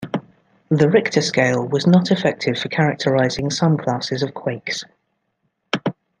The Richter scale was not effective for characterizing some classes of quakes.